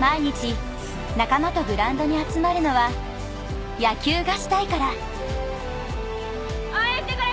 毎日仲間とグラウンドに集まるのは野球がしたいから行くぞ！